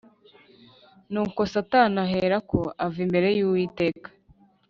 Nuko Satani aherako ava imbere y’Uwiteka